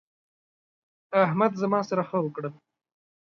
احمد زما سره ښه وکړل.